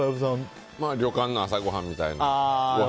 旅館の朝ごはんみたいな。